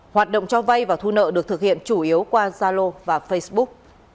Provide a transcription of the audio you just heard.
hoạt động cho vay và thu nợ được thực hiện chủ yếu qua zalo và facebook